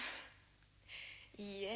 いいえ。